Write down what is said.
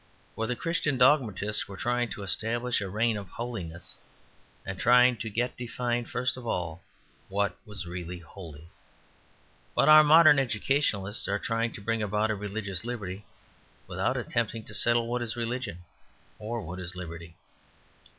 For the Christian dogmatists were trying to establish a reign of holiness, and trying to get defined, first of all, what was really holy. But our modern educationists are trying to bring about a religious liberty without attempting to settle what is religion or what is liberty.